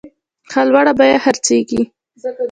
ښه لوړه بیه خرڅیږي.